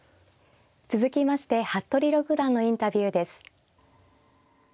続きまして服部六段のインタビューです。